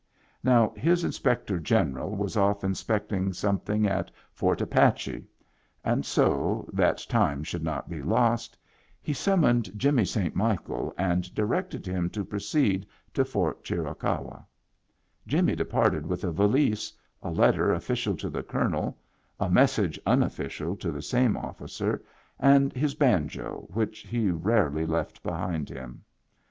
Now his Inspector I Digitized by VjOOQIC 114 MEMBERS OF THE FAMILY General was ofif inspecting something at Fort Apache ; and so, that time should not be lost, he summoned Jimmy St. Michael and directed him to proceed to Fort Chiricahua. Jimmy departed with a valise, a letter official to the colonel, a mes sage unofficial to the same officer, and his banjo, which he rarely left behind him.